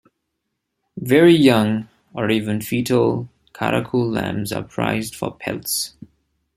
Very young or even fetal Karakul lambs are prized for pelts.